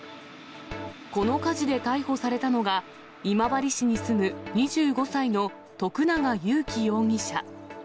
この火事で逮捕されたのが、今治市に住む２５歳の徳永友希容疑者。